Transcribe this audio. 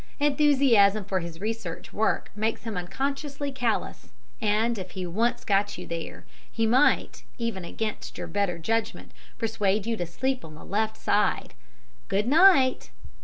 Enthusiasm for his research work makes him unconsciously callous, and if he once got you there he might, even against your better judgment, persuade you to sleep on the left side! Good night!"